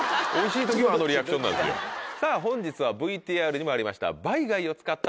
さぁ本日はＶＴＲにもありました。